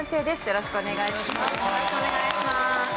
よろしくお願いします。